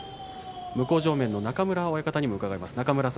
向正面の中村親方にも伺います。